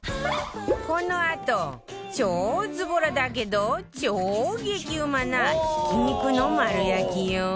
このあと超ズボラだけど超激うまなひき肉の丸焼きよ